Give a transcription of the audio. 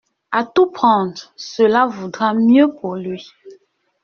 A tout prendre, cela vaudra mieux pour lui.